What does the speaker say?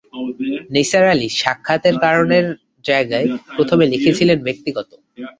নিসার আলি সাক্ষাতের কারণের জায়গায় প্রথমে লিখেছিলেন ব্যক্তিগত।